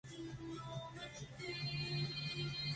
Actualmente, la serie es emitida por El Trece.